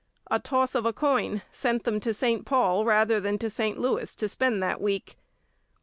A toss of a coin sent them to St Paul rather than to St Louis to spend the week.